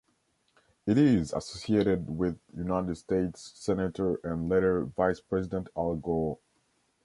It is associated with United States Senator and later Vice-President Al Gore.